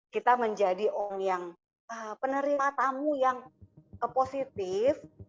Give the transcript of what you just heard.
kita menjadi orang yang penerima tamu yang positif